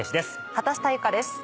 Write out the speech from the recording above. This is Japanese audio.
畑下由佳です。